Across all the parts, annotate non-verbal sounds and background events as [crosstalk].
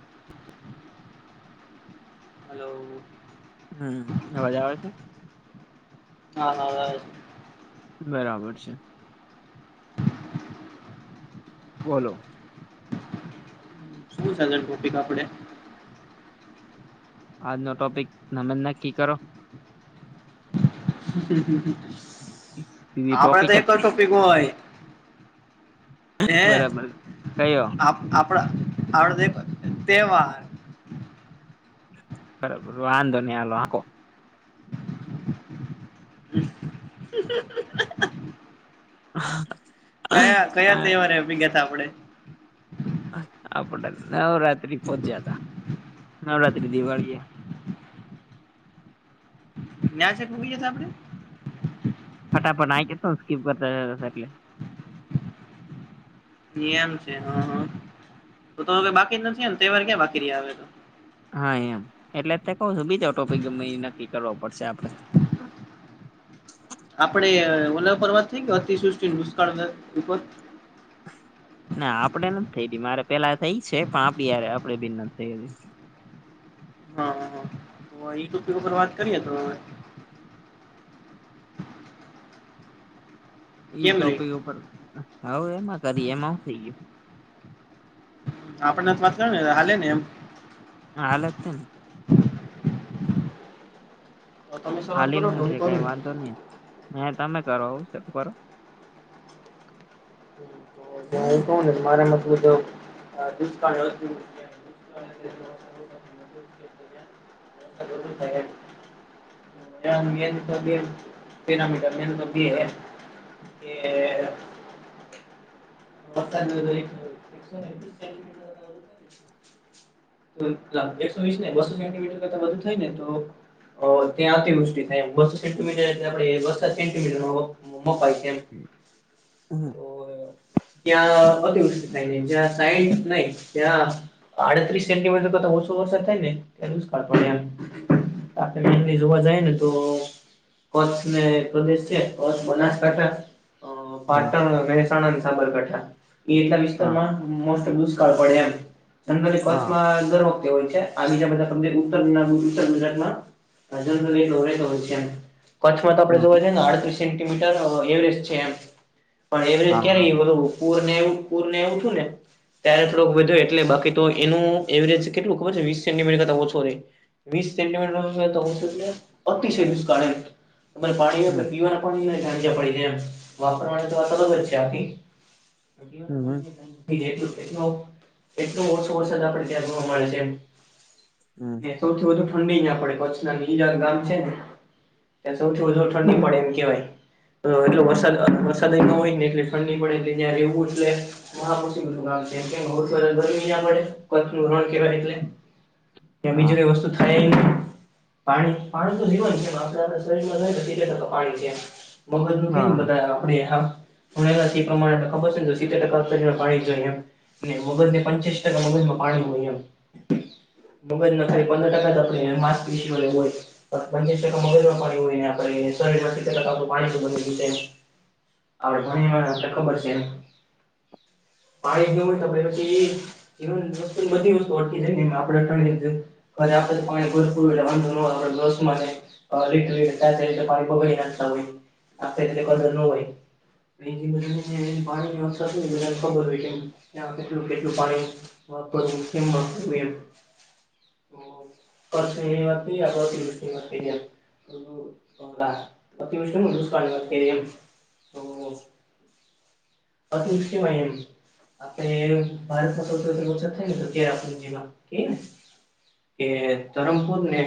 [inaudible] Hello. હમ અવાજ આવે છે. હા હા. બરાબર છે. બોલો. શું સજર કોટી કપડે. આજ ન ટોપિક નમેન નક્કી કરો. બીજી આપડે ટોપિક તો એક જ નહીં. ટોપિક હોય. બરાબર હે કયો આપણા આપડ તહેવાર. બરાબર વાંધો નહી હાલો આખો. હમ [unintelligible] હ [unintelligible] હા [unintelligible] [inaudible] કયા કયા તવાની અભિગાતા આપડે. આપડ નવરાત્રી પોહોચ્યા હતા નવરાત્રી દિવાળીએ. ન્યાં છે કું કઈ આપણે. ફટાફટ આક ત સ્કીપ કરતાલે. આમ છે હા હા તો તો હ બાકી જ નથી તહેવાર ક્યાં બાકી ર આવે તો. હા એમ એટલે કહ છું બીજો ટોપિક ગમે નક્કી કરવો પડશે આપડે. આપડણે ઓલ્પરવાદ થઈ ગ અતિ સૃષ્ટિ દુષકાળ ઉપર. ના આપડે નથી થઈ મારે પેલા થઈ છે પણ આપડી આપડે બીન નથી થઈ. હા હા તો આ ટોપી ઉપર વાત કરીએ તો હવે. ઈ કેમ રે ટોપિક ઉપર હ એમાં કરી એમાં હું થઈ ગયું. આપણને તો માત ને હાલે ને એમ. હાલે તેમ. તો તમે શરૂઆત હાલીને કરો હું છે કઈ વાંધો નહી હ તમે કરો આવું કરો. તો મારા મત [unintelligible] [unintelligible] [unintelligible] મેન તો પેમીટ મેન તો હ કે પતજરી. એકસો વીસ ને બસો સેન્ટીમીટર કરતા બધું થાય ને તો. ત્યાં અતીવૃષ્ટ થાય બ સેન્ટીમીટર આપ બ સેમીટર. બોમો પાડશે છે એમ. હમ ત અતિવૃષ સાઈ ન ત અડત્રીસ જેથી સેટ ઓછો વરસાદ થાય ને એ જ પડે એમ. આપણે જોવા જાય ને તો. કચ્છ ને પ્રદેશ છે કચ્છ બનાસકાંઠા. હા પાટણ મહેસાણા અને સાબરકાંઠા એ એટલા હા વિસ્તારમા મોસ્ટ ઓ પડ હા દર વખતે હોય છે આ બીજા બધા સમ ઉત્ ઉત્તર ગુજરાતમા અજ ડોરે છે. કચ્છમાં તો આપણે હા જોવા જઈએ ને આડત્રીસ સેન્ટીમીટર એવરેજ છે, એમ પણ એવરેજ હા હા ક્યારે એ બધુ પૂર ને એવું પૂર ને એવું થુ, ને ત્યારે થોડોક વધો એટલે બાકી તો એનુ એવરેજ કેટલુંબર વીસ સેન્ટીમીટરતા ઓછો. વીસ સેન્ટીમીટર તો અતિ દિવસ કા પાણી હમ પીવાના પાણીંજ પડીાય એમ વાપરવાની તો અલગ જ છે, આખી હમ હમ એક વર્ષો વર્ષ જ આપડે વા મળે છે, એમ હમ સૌથી વધુ ઠંડી ના પડે કચ્છના ની ગામ છેને. ત્યાં સૌ ઠંડી પડે એમ કેવાય એટલે વરસાદ વરસાદ ન હોય, ને એટલે ઠંડી પડે ત્યાં રહેવું એટલે હુ પડે નણ કેવાય એટલે ત્યા બીજ હા કઈ વસ્તુ થાય એ પાણી પાણી તો જીવામ આપ શરીરમાં જાયટ પાણી છેમ. મગ ક હા હા બતા આપણે હ માગ પચ ટકા પાણીમ મગજ ના થાય પંદર ટકા આપ પી હો. પચસ ટકા મગજ પાણી હોયને, આપડ શરીર સતેર ટ આપું પાણી બી આપડ ભણી ખબર છે, એને પાણીી દઉમ ત કે ક બધી વસ્તુ અટ જાય, ને આપડ ટણી. ઘરે આપડ તો પાણી ભરરું એટલે વામા લીટર લીટરીતે પાણી પગડી નાખતા હોય આપેી કર ન હોય. પાણી ખબર હોય. નાટું કેટું પા મુખ કોતી અ ત મજ કે અતિષિય એમ આપણે ભારતમા તરાપુર જેમાં કેને કે ધરમપુર ને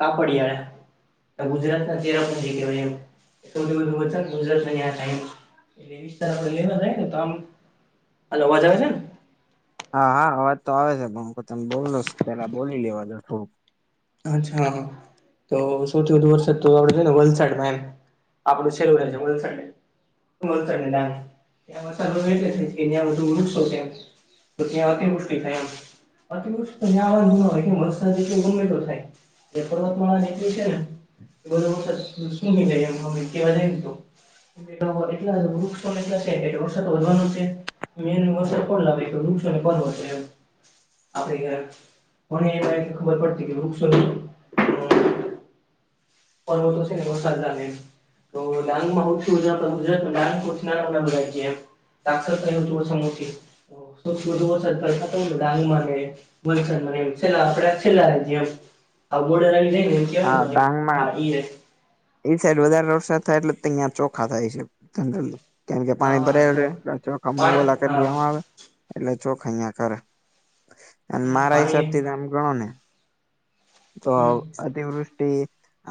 કા પડીિયાળ ગુજરાત ના ચરા પણ જેહેવાય સૌથી ગુજરાત. લેવી ત લેવા જાય તો આમ આ અવાજ આવે છે ને હા હા આ વાજ તો આવે છે પણ હ તને બોલલો પેલા બોલી લેવા દો થોક. અચ્છા હ તો સૌથી વધુ વરસાદ તો આપડ જો ને વલસાડમ આપડું છેલું રહે હમ છે, વલસાડ [unintelligible] તો ત્યાં અતિવૃષ્ટિ થાયમ અતિવૃષ્ટ તો જવારસાટ ગમે એ પત ન વિશે બ શું મિાય એમમે કેવા જ તો એટલા વૃક્ષો એટલા છે, વર્ષત વધવાનું છે. મે હમ વસ્ર કોણ લાવેુ ખબર પડતી કે વૃો પરવતો સ સારે તો લાંગમાંર્જા ગુજરા, તો લંગછમ દાક્ષર થ હતુ સમ ડ વસા મને એમ છેલ્લા આપડે છેલ્લામ આ બોર્ડર આવી જાય ને એમ હા કેવાય ડાંગમાં આવી એ સાઈડ વધારે વરસાદ થાય એટલે અહીિયાં ચોખા થાય છે જનરલી. કેમ કે પાણી હા ભરાયલ જો કામ પાણી લ હા દેવામાં આવે. એટલે ચોખ અહયા કર અને હમ મારા પાણી હિસાબ થીમ ગણો ને. તો હમ અતિવૃષ્ટિ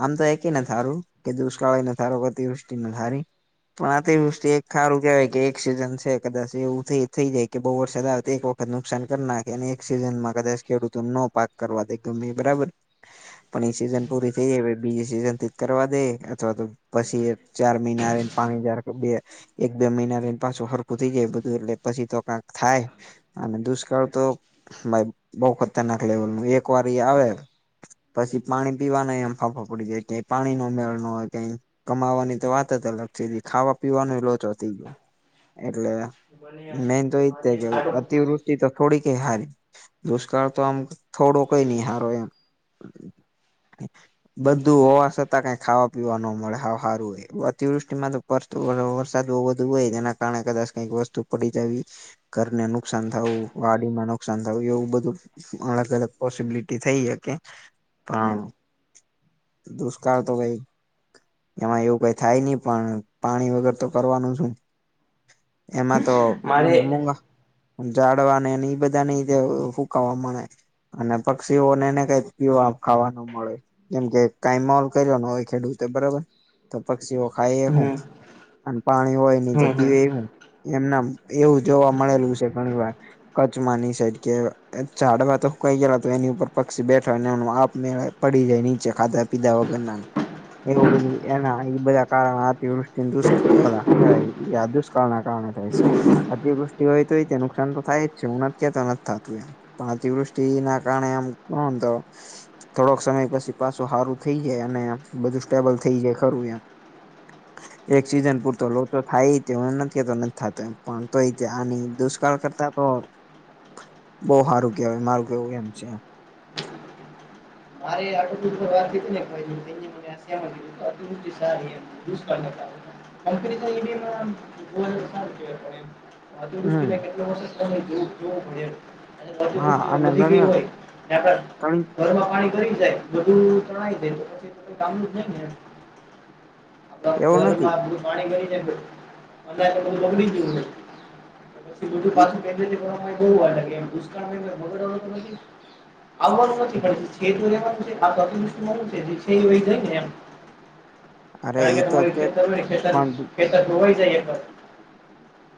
આમ તો એકી ને સારું. કે દુષ્કાળી ના ધારો કે અતિવૃષ્ટિ ના થારી. પણ આ તે વૃષ્ટિ એક ખારું કેહેવાય કે એક સિઝન છે કદાચ એવું થ થઈ જાય કે બહુ વર્ષ અદ એક વ નુકસાન કરી નાખે અને એક સિઝન માં કદાચ ખેડૂતો ન પાક કરવા દ ગમે બરાબર. આપ સીઝન પૂરી થઈ જ બીજી સિઝન થી કરવા દે. અથવા તો પછી ચાર મહિના રને પાણીાર બે એક બે મહિના રને પાછું. પૂતી જાય બધું એટલે પછી તો કંક થાય અને દુષ્કાળ તો. ભાઈ બહુ ખતરનાક લેવલ એક વાર આવે. પછી પાણી પીવાના એમ ફાફાફડીય. પાણી નો મેળ નો હોય કઈ કમાવાની તો વાત જ અલગ થ ખાવા પીવાનો લોચો થઈ જાય. એટલે મને મેન તો એજ છે મારે કે આટો અતિવૃ તો થોડી કઈ હારી દુષ્કાળ તો આમ થોડો કઈ નહી હારો એમ. બધું હોવા. છતાં કંઈ ખાવા પીવા ન મળે હ સારું હોય અતિવૃષ્ટિમાં તો પરત વરસાદ બહુ બુ હોય એના કારણે કદાચ કઈક વસ્તુ પડી જવી ઘરને નુકસાન થવું વાડીમાં નુકસાન થયું એવું બધું અલગ અલગ પોસિબિલિટી થઈ હ કે પણ કરતો ભાઈ. એમાં એવું કઈ થાય નહી પણ પાણી વગર તો કરવાનું શું. એમાં તો મારે મૂગા જાડવાને બધા ની રીતે ફૂકવા મળે. અને પક્ષીઓનેને કઈ પીવા ખાવાનું મળે કેમકે કમોલ કર ન હોય ખેડૂતે બરાબર તો પક્ષીઓ ખાય હું હમ અને પાણી હોય નહી તો હમ હમ પીવે હું? એમના એવું જોવા મળેલું છે ઘણી વાર કચ્છમાંની સાઈડ જે અચ્છાડવા તોું કઈ ગે તો એની ઉપર પક્ષી બેઠો એમ આપ મેળ પડી જાય નીચે ખાધા પીધા વગર એવું બધું એના એ બધા કારણવ્યિને દુષ હ ક યાદુષ્કાળના કારણે થાય છે. અતિવૃષ્ટિ હોય તો એ નુકસાન તો થાય જ છે હું નથી જ ક્યા તો નથી જ થતું એમ. પણ અતિવૃષ્ટિ ના કારણે આમ કો તો થોડોક સમય પછી પાછું સારું. થઈ જાય અને બધું સ્ટેબલ થઈ જાય ખરું એમ. એક સિઝન પૂરતો લોચો થાય ત એ નથીતો નથી થતો પણ તો એ આની દુષ્કાળ કરતા તો. બહ સારું કેવાય મારું કેવું એમ છે. મારે આડ. [inaudible] [unintelligible] દૃષ્ટિ હમ કેટલો વર્ ત જોવો પડે છ હા અને વધી ગયું ઘણી હોય આપડ ઘણી ઘરમાં પાણી ભરી જાય. બધું તણાય દે તો પછી [unintelligible] એવું નથી ઘરમાં પાણી કરીલે બધું બગડી ગયું પછી બું ઈ પાછું. બ વા લાગે દુગડવા આવવાનું નથી મળતી. ખ આતદષ મ છે જે છે વય જાય ને એમ. અરે કારણ કે ઈ તો તમારું છે જ ખેતરું ને ખેતર પણ ખેતર ધોવાઈ જાયએ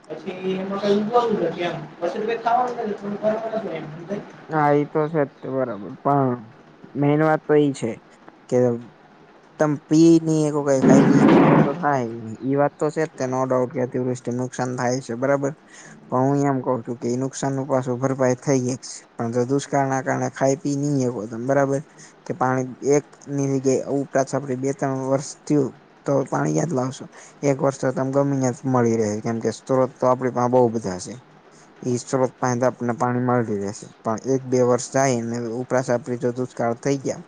પછી એમાં કઈ ઉભ એમ પછી તો ખાવાનું થોડું ફરક પ હા એ તો છે જ બરાબર પણ મેન વાત તો એઈ છે કે તમ પી ન એ કો કઈ ખાઈ નહી બલો તો થા એઈ વાત તો છે જ નો ડાઉટ કે અતિવૃષ્ટિ નુકસાન થાય છે બરાબર. પણ હું એમ કઉ છું કે એ નુકસાન નું પાછો ભરપાઈ થઈ ગાય. પણ તો દુષ્કાળના કારણે ખાય પી નહી કોમ બરાબર. કે પાણી એકની જગ્યા ઉપરા છપડી બે ત્રણ વર્ષ થયું. તો પાણી [unintelligible] લાવશો. એક વર્ષ તો તમ ગમે મળી રહે કેમ કે સ્ત્રોત તો આપડી પાહે બહુ બધા છે. ઈ સ્ત્રોત પાહે આપને પાણી મળી રહેેશે. પણ એક બે વર્ષ જાયને ઉપરાશપરી તો દુષ્કાળ થઈ ગયા.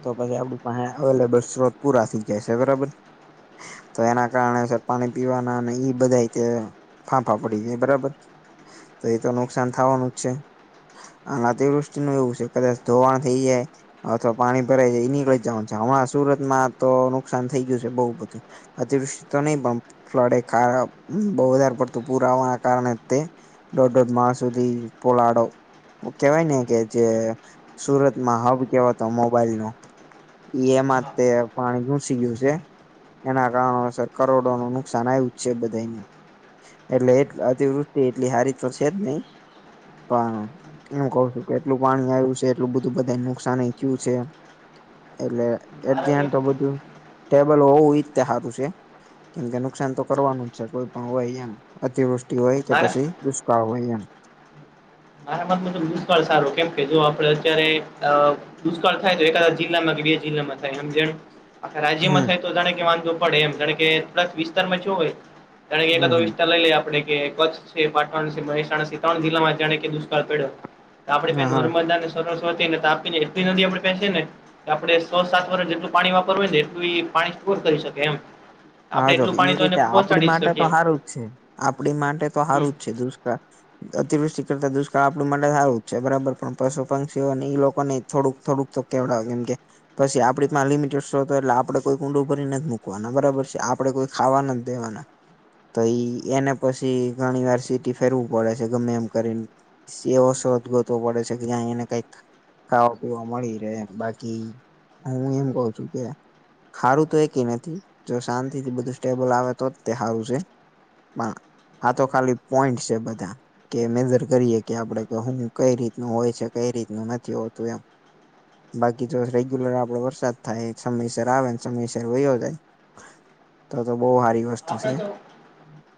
તો પછી આપડી પાસે અવેલેબલ સ્ત્રોત પુરા થઇ જાય છે બરાબર. તો એના કારણે સર પાણી પીવાના અને ઈ બધા તે ફાંફા પડી જાય બરાબર તો એ તો નુકસાન થવાનું જ છે. આ અતિવૃષ્ટિ નું એવું છે કદાચ ધોવાણ થઈ જાય. અથવા પાણી ભરાઈ જાય એ નીકળી જવાનું છે હમણાં સુરત માં તો નુકસાન થઈ ગયું છે બઉુ બધું. અતિવૃષ્ટિ તો નહીં પણ ફ્લડ એ ખાડા બહુ વધારે પડતું પૂર આવવાના કારણે તે ડો ડોમાસ સુધી પોલાડો કેવાય ને કે જે સુરતમાં હબ કેવાતો મોબાઈલ નો એમાં હા તે પાણી ઘુસી ગયું છે. એના કારણો સર કરોડો નું નુકસાન આવ્યું જ છે બધે. એટલે એ અતિવૃષ્ટિ એટલી હારી તો છે જ નહી પણ હું કઉ છું કે એટલું પાણી આવ્યું છે એટલું બધું બધા નુકસાન એવું થયું છે એટલે એ મારા કે ધ્યાન તો બધું ટેબલ હોવું એયા તે હારુ છે કેમ કે નુકસાન તો કરવાનું જ છે કોઈ પણ હોય અહીંયા. અતિવૃષ્ટિ હોય કે મારા પછી દુષ્કાળ હોય અહીંયા. મારા માંત તો દુષ્કાળ સારો કેમ કે જો આપડે અત્યારે આ દુષ્કાળ થાય તો એકાદા જિલ્લામાં કે બે જિલ્લામાં થાય એમ જે આખા રાજ્યમાં હમ થાય તો જા કે વાંધો પડે એમ જાણે કે એટલા વિસ્તારમાં થયો હોય. જાણે કે એક કા હમ દો હમ વિસ્તાર લઈ લઈએ આપડે કે કચ્છ છે પાટણ છે મહેસાણા સી તોણ જિલ્લામાં જાણે કે દુષ્કાળ પડ્યો આપણે કહી હા ને હા નર્મદા ને સરસ્વતી ને તાપી ને એટલી નદી આપણે પેસે ને આપડે સો સાત વર્ષ જેટલું પાણી વાપરવું ને એટલું ઈ પાણી સ્ટોર કરી શકે એમ. હા આપડે જો એટલું એ પાણી તો એને રીતે આપડી પહોંચાડી જ માટે તો શકીએ સારું જ છે આપડી માટે તો સારું જ છે દુષ્કાળ. અતિવૃષ્ટિ કરતા દુષ્કાળ આપણું માટે હારું જ છે બરાબર પણ પશુ પંક્ષીઓ અને ઈ લોકો ને થોડુંક થોડુંક તો કેવ કેમ કે પછી આપડી માં લિમિટેડ શો હતો એટલે આપડે કોઈ કુંંડું ભરીને મુૂકવાના બરાબર છે. કે આપણેે કોઈ ખાવાના દેવાના. તો ઈ એને પછી ઘણી વાર સિટી ફેરવું પડે છે ગમે એમ કરીને. એવો સોદગતવો પડે છે કે જ્યાં એને કઈક ખાવા પીવા મળી રહે એમ બાકી હું એમ કઉ છું કે ખારું તો એ કે નથી. શાંતિ થી બધું સ્ટેબલ આવે તો જ તે સારું છે પણ હા તો ખાલી પોઈન્ટ છે બધા. કે મેજર કરીએે કે આપડે કે હું કઈ રીતનું હોય છે કઈ રીતનું નથી હોતું એમ. બાકી જો રેગ્યુલર આપડે વરસાદ થાય સમયસર આવે ને સમયસર વયોયો જાય. તો તો બહુ હારી આપડે તો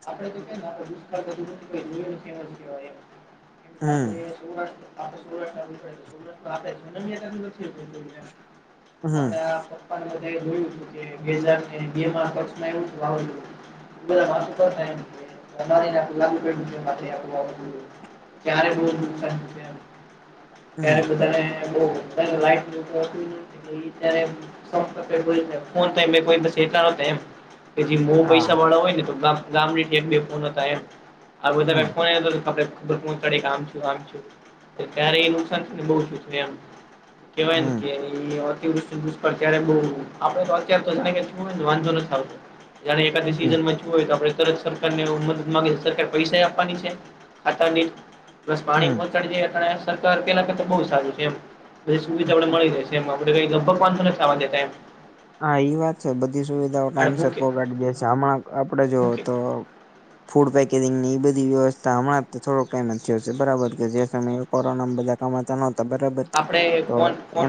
આપડે તો કેને દુષ્કાળ બધું [unintelligible] હમ આપડે સૌરાષ્ટ્ર આપણે સૌરાષ્ટ્ર માં જોઈએ તો સૌરાષ્ટ્રમાં આપડે [unintelligible] આપડ આપણે હમ કંઈક જોયું છે બે હજાર બે હજાર ને બે માં [unintelligible] બધા તો વાંધો [unintelligible] લાકડો ને માટે આપણે આવું બધું ક્યારે [unintelligible] ક્યારે હમ બધાને બો કંઈક લાઈટ નથી આવતી ને તો એ જાણે [unintelligible] ફોન પે એમ કોઈ શેતાનો જાય એમ. કે જે મો હા પૈસા વાળા હોય ને તો ગામની ટમ બે ફોન હતા એમ. આવું હમ વધારે [unintelligible] આપડે પહોંચાડે આમ આમ ત્યારે એ નુકસાન છે ને બઉ ઓછું થાય આમ કેવાય ને હમ કે. એ અતિવૃષ દુષ્કળ ત્યારે બઉ આપડે તો અત્યારે તોને વાંધો નથી આવતો અને એકા હમ ડિસિઝનમાં હોય તો આપણે તરત સરકાર ને મદદ માંગે સરકાર પૈસા આપવાની છે ખાતાની. બસ પાણી હમ પહોંચાડી જાય સરકાર પેલા કરતા બહુ સારું છે એમ બધી સુવિધા આપડે મળી રહે છે. જેમ આપડે કઈ લગભગ પાંચો [unintelligible] હા ઈ વાત છે બધી સુવિધાઓ આપણે ટાઈમસર મૂકે પહોગાડી દે છે આમાં આપડે જોવ મૂકે તો ફૂડ પેકેજિંગની એ બધી વ્યવસ્થા હમં થોડોક ટાઈમ જ થયો છે બરાબર કે જે સમય કોરોનામાં બધા કમાતા ન હતા બરાબર આપડે તો ફોન એમ ફોન.